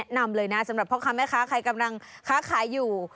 แนะนำเลยนะสำหรับเพราะค่ะแม่คะใครกำลังค้าขายอยู่